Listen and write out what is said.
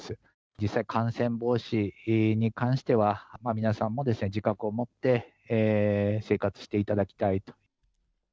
実際、感染防止に関しては、皆さんも自覚を持って、生活していただきたいと。